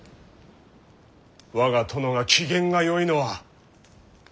我が殿が機嫌がよいのは。